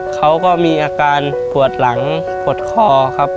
เขาก็มีอาการปวดหลังปวดคอครับ